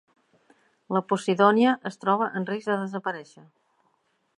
La posidònia es troba en risc de desaparèixer.